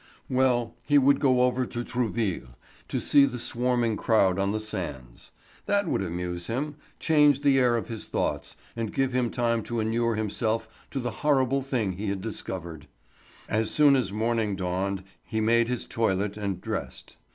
Well, he would go over to Trouville to see the swarming crowd on the sands. That would amuse him, change the air of his thoughts, and give him time to inure himself to the horrible thing he had discovered. As soon as morning dawned he made his toilet and dressed.